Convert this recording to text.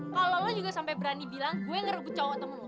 kalo lo juga sampe berani bilang gue ngerebut cowok temen lo